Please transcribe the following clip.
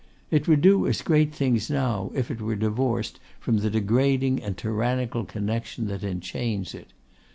It would do as great things now, if it were divorced from the degrading and tyrannical connection that enchains it.